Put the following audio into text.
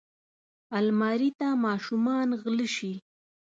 الماري ته ماشومان غله شي